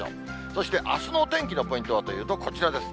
そしてあすのお天気のポイントはというと、こちらです。